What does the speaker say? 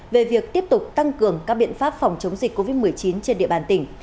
về việc tiếp tục tăng cường các biện pháp phòng chống dịch covid một mươi chín trên địa bàn tỉnh